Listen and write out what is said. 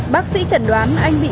bác sĩ chẩn đoán anh bị